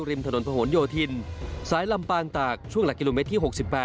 ริมถนนพะหนโยธินสายลำปางตากช่วงหลักกิโลเมตรที่๖๘